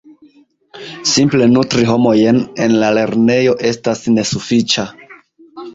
Simple nutri homojn en la lernejo estas nesufiĉa.